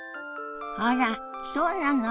あらそうなの。